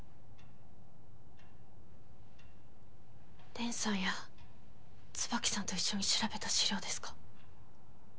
蓮さんや椿さんと一緒に調べた資料ですか。